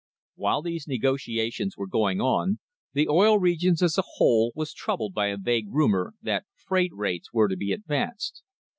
While these negotiations were going on, the Oil Regions as a whole was troubled by a vague rumour that freight rates were to be advanced.